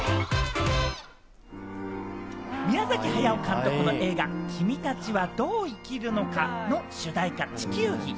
宮崎駿監督の映画『君たちはどう生きるか』の主題歌『地球儀』。